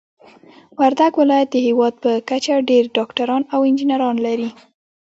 وردګ ولايت د هيواد په کچه ډير ډاکټران او انجنيران لري.